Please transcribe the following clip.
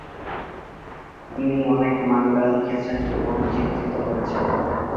তিনি অনেক মাঙ্গা লিখেছেন এবং চিত্রিত করেছেন।